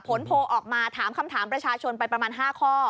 โพลออกมาถามคำถามประชาชนไปประมาณ๕ข้อ